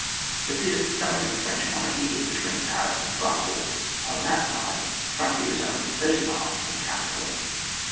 The pit of the sto mach of the French monarchy is between Paris and Brussels, on that side the fi*on tier is only thirty miles from the capital.